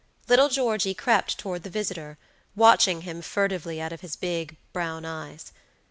Little Georgey crept toward the visitor, watching him furtively out of his big, brown eyes.